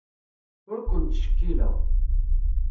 Ur ken-ttcekkileɣ.